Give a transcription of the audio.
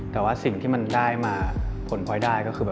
แต่ว่าสิ่งที่มันได้มาผลพลอยได้ก็คือ